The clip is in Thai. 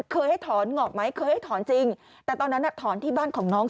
เคยให้ถอนงอกไหมเคยให้ถอนจริงแต่ตอนนั้นถอนที่บ้านของน้อง